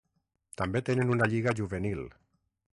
També tenen una lliga juvenil.